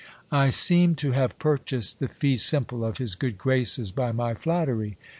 I seemed to have purchased the fee simple of his good graces by my flattery.